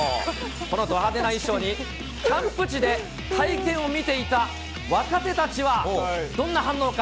このど派手な衣装に、キャンプ地で、会見を見ていた若手たちはどんな反応か。